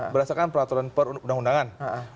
berdasarkan peraturan perundang undangan